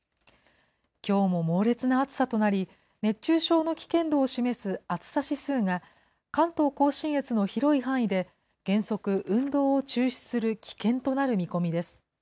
きょうも猛烈な暑さとなり、熱中症の危険度を示す暑さ指数が、関東甲信越の広い範囲で原則、運動を中止する危険となる見込みです。